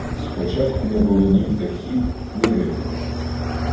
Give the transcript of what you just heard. Спочатку не було, ні птахів, ні риби.